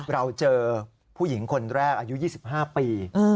เราเจอผู้หญิงคนแรกอายุ๒๕ปี